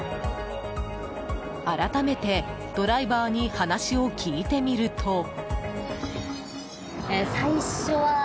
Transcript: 改めて、ドライバーに話を聞いてみると。